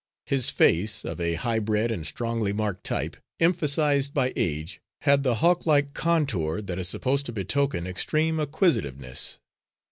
His face, of a highbred and strongly marked type, emphasised by age, had the hawk like contour, that is supposed to betoken extreme acquisitiveness.